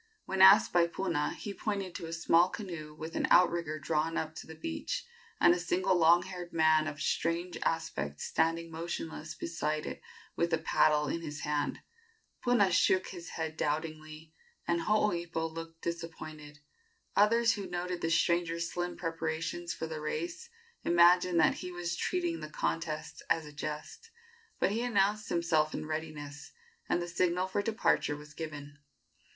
When asked by Puna, he pointed to a small canoe with an outrigger drawn up on the beach, and a single long haired man of strange aspect standing motionless beside it with a paddle in his hand. Puna shook his head doubtingly, and Hooipo looked disappointed. Others who noted the stranger's slim preparations for the race imagined that he was treating the contest as a jest; but he announced himself in readiness, and the signal for departure was given.